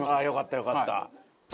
よかったよかった。